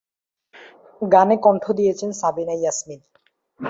গানে কণ্ঠ দিয়েছেন সাবিনা ইয়াসমিন।